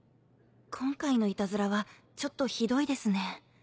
今回のいたずらはちょっとひどいですね。